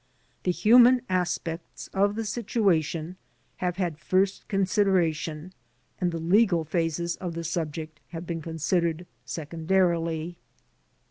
The human as pects of the situation have had first consideration and the legal phases of the subject have been considered secondarily.